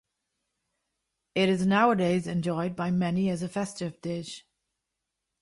It is nowadays enjoyed by many as a festive dish.